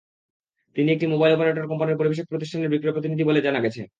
তিনি একটি mobile operator কোম্পানির পরিবেশক প্রতিষ্ঠানের বিক্রয় প্রতিনিধি বলে জানা গেছে।